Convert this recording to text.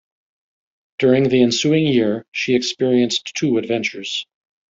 During the ensuing year, she experienced two adventures.